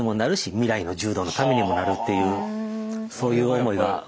未来の柔道のためにもなるっていうそういう思いが。